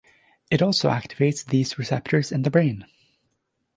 It also activates these receptors in the brain.